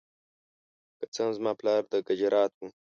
که څه هم زما پلار د ګجرات و.